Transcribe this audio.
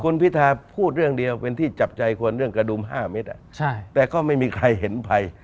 คุณพิธาพูดเรื่องเดียวเป็นที่จับใจคนเรื่องกระดุม๕เมตรแต่ก็ไม่มีใครเห็นภัย